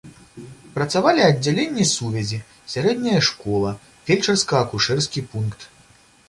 Працавалі аддзяленне сувязі, сярэдняя школа, фельчарска-акушэрскі пункт.